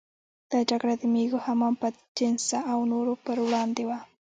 دا جګړه د مېږو، حمام بدجنسه او نورو پر وړاندې وه.